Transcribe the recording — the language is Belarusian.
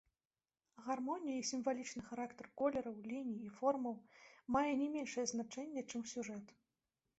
Гармонія і сімвалічны характар колераў, ліній і формаў мае не меншае значэнне, чым сюжэт.